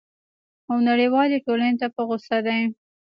او نړیوالي ټولني ته په غوصه دی!